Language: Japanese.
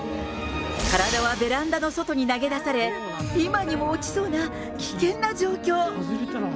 体はベランダの外に投げ出され、今にも落ちそうな危険な状況。